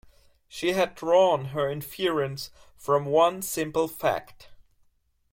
She had drawn her inference from one simple fact.